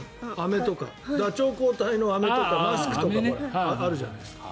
ダチョウ抗体のアメとかマスクとかあるじゃないですか。